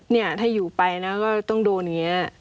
เนี่ยถ้าอยู่ไปนะก็ต้องโดนอย่างนี้